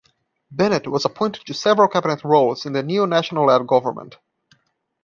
Bennett was appointed to several cabinet roles in the new National-led government.